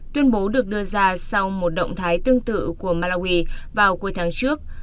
tuyên bố được đưa ra sau một động thái tương tự của malawi vào cuối tháng trước